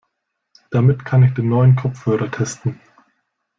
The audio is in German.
Damit kann ich den neuen Kopfhörer testen.